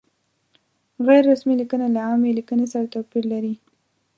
غیر رسمي لیکنه له عامې لیکنې سره توپیر لري.